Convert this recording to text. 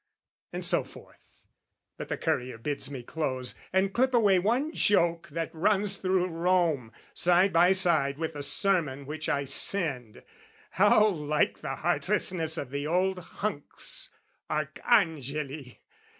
And so forth. But the courier bids me close, And clip away one joke that runs through Rome, Side by side with the sermon which I send How like the heartlessness of the old hunks Arcangeli!